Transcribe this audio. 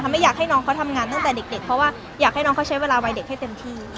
ไม่อยากให้น้องเขาทำงานตั้งแต่เด็กเพราะว่าอยากให้น้องเขาใช้เวลาวัยเด็กให้เต็มที่